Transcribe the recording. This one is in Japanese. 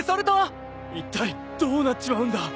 いったいどうなっちまうんだ？